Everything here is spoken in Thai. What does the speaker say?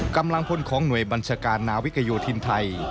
กำลังพลของหน่วยบัญชาการนาวิกโยธินไทย